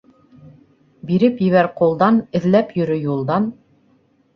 Биреп ебәр ҡулдан, эҙләп йөрө юлдан.